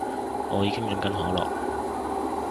我已經飲緊可樂